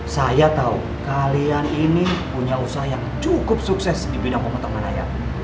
saya tahu kalian ini punya usaha yang cukup sukses di bidang pemotongan raya